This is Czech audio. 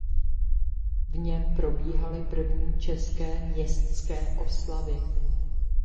V něm probíhaly první české městské oslavy.